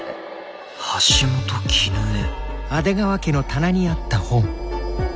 橋本絹江。